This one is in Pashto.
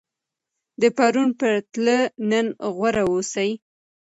د پرون په پرتله نن غوره اوسئ.